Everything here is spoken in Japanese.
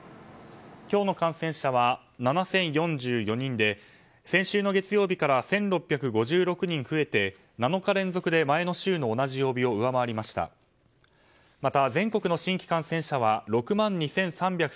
今日の感染者は７０４４人で先週の月曜日から１６５６人増えて７日連続で前の週の同じ曜日を上回りました。